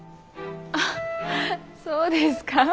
あっそうですか？